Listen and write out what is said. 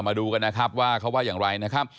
มาดูกันนะครับว่าเขาว่าอย่างไรนะครับ